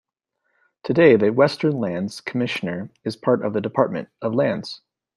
Today, the Western Lands Commissioner is part of the Department of Lands.